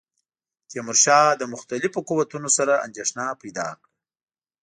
تیمورشاه له مختلفو قوتونو سره اندېښنه پیدا کړه.